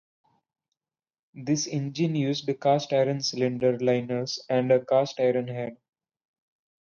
This engine used cast-iron cylinder liners and a cast-iron head.